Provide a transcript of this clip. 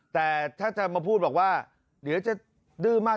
แต่ถ้าจะมาพูดบอกว่าเดี๋ยวจะดื้อมาก